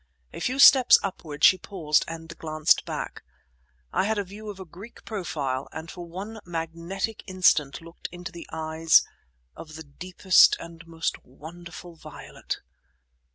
A few steps upward she paused and glanced back. I had a view of a Greek profile, and for one magnetic instant looked into eyes of the deepest and most wonderful violet.